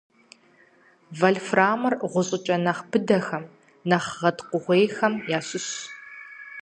Вольфрамыр гъущӏхэкӏ нэхъ быдэхэм, нэхъ гъэткӏугъуейхэм ящыщщ.